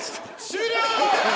終了！